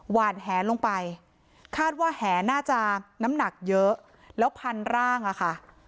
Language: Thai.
หวานแหลงไปคาดว่าแหน่าจะน้ำหนักเยอะแล้วพันร่างอะค่ะ